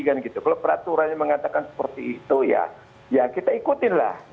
kalau peraturan mengatakan seperti itu ya kita ikutin lah